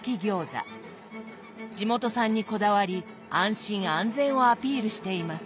地元産にこだわり安心安全をアピールしています。